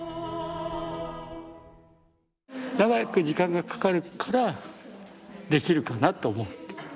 長く時間がかかるからできるかなと思って。